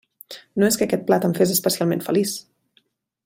No és que aquest plat em fes especialment feliç.